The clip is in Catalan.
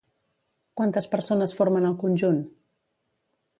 Quantes persones formen el conjunt?